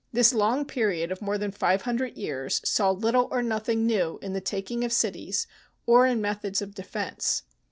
This long period of more than five hundred years saw little or nothing new in the taking of cities or in methods of defence.